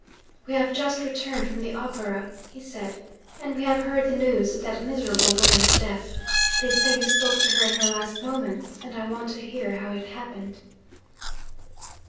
'We have just returned from the Opera,' he said; 'and we have heard the news of that miserable woman's death. They say you spoke to her in her last moments; and I want to hear how it happened.'